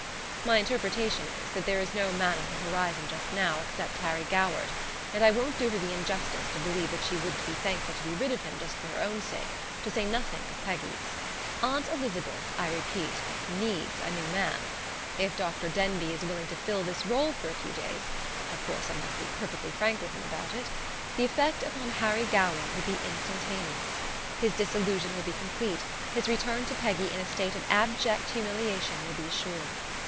My interpretation is, that there is no man on her horizon just now except Harry Goward, and I won't do her the injustice to believe that she wouldn't be thankful to be rid of him just for her own sake; to say nothing of Peggy's. Aunt Elizabeth, I repeat, needs a new man. If Dr. Denbigh is willing to fill this role for a few days (of course I must be perfectly frank with him about it) the effect upon Harry Goward will be instantaneous. His disillusion will be complete; his return to Peggy in a state of abject humiliation will be assured.